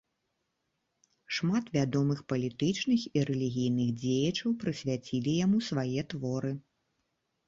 Шмат вядомых палітычных і рэлігійных дзеячаў прысвяцілі яму свае творы.